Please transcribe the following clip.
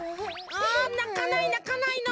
ああなかないなかないの。